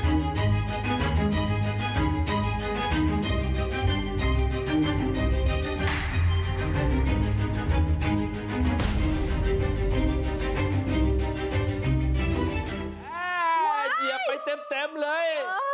อ้าวเหยียบไปเต็มเลย